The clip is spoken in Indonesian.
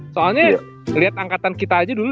soalnya lihat angkatan kita aja dulu